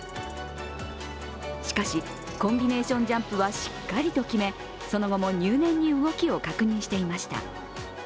しかし、コンビネーションジャンプはしっかりと決め、その後も入念に動きを確認していました。